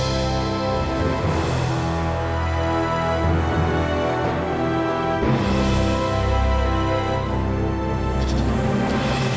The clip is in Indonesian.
tidak ada yang bisa dihukum